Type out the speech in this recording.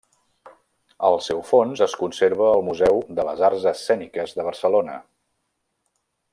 El seu fons es conserva al Museu de les Arts Escèniques de Barcelona.